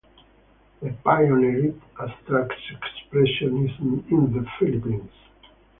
He pioneered abstract expressionism in the Philippines.